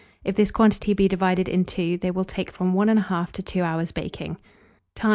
If this quantity be divided in two, they will take from 1 1/2 to 2 hours' baking. Time.